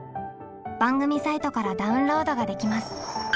番組サイトからダウンロードができます。